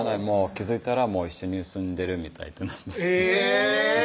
気付いたら一緒に住んでるみたいえぇ！